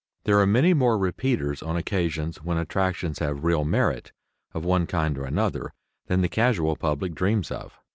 There are many more "repeaters" on occasions when attractions have real merit of one kind or another than the casual public dreams of.